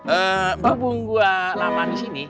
eh mabung gua lama disini